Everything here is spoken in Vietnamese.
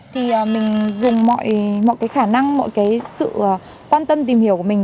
thì mình dùng mọi khả năng mọi sự quan tâm tìm hiểu của mình